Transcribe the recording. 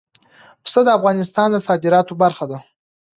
پسه د افغانستان د صادراتو برخه ده.